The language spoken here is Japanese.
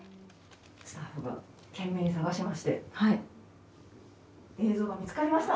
スタッフが懸命に探しまして映像が見つかりました！